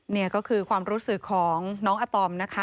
นี่ก็คือความรู้สึกของน้องอาตอมนะคะ